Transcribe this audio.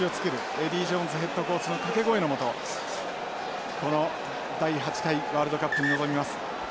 エディージョーンズヘッドコーチの掛け声のもとこの第８回ワールドカップに臨みます。